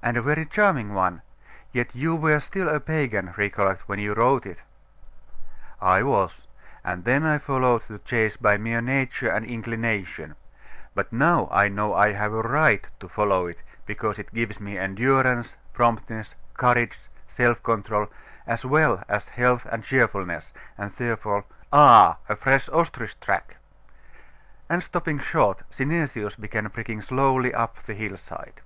'And a very charming one: yet you were still a pagan, recollect, when you wrote it.' 'I was; and then I followed the chase by mere nature and inclination. But now I know I have a right to follow it, because it gives me endurance, promptness, courage, self control, as well as health and cheerfulness: and therefore Ah! a fresh ostrich track!' And stopping short, Synesius began pricking slowly up the hillside.